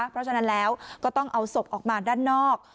เพราะฉะนั้นแล้วก็ต้องเอาศพออกมาด้านนอก